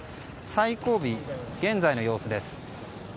最後尾の現在の様子です。